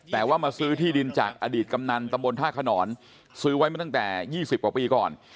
แต่ว่ามาซื้อที่ดินจากอดีตกำนันตำบลท่าขนอนซื้อไว้มาตั้งแต่๒๐กว่าปีก่อน